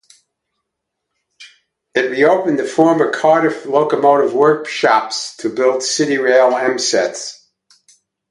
It reopened the former Cardiff Locomotive Workshops to build CityRail M sets.